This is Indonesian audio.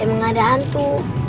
emang ada hantu